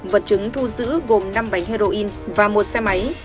vật chứng thu giữ gồm năm bánh heroin và một xe máy